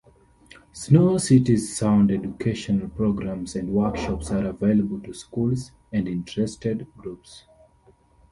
Snow City's sound educational programmes and workshops are available to schools and interested groups.